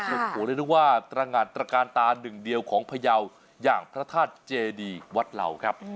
โอ้โหเรียกได้ว่าตรงานตระการตาหนึ่งเดียวของพยาวอย่างพระธาตุเจดีวัดเหล่าครับ